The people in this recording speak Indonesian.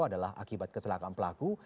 adalah akibat kesalahan pelaku